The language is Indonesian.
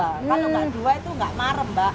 kalau enggak dua itu enggak marem mbak